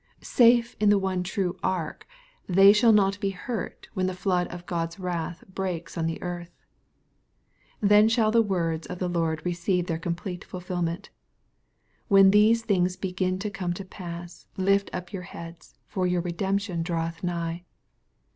Safe in the one true ark, they shall not be hurt when the flood of God's wrath breaks on the earth. Then shall the words of the Lord receive their complete fulfilment :" when these things begin to come to pass, lift up your heads, for your redemption draweth nigh."